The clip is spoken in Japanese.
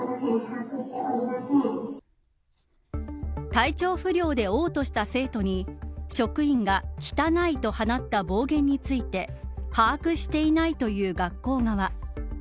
体調不良でおう吐した生徒に職員が、汚いと放った暴言について把握していないという学校側。